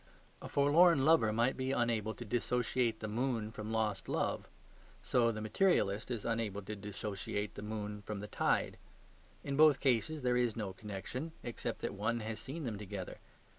A forlorn lover might be unable to dissociate the moon from lost love; so the materialist is unable to dissociate the moon from the tide. In both cases there is no connection, except that one has seen them together.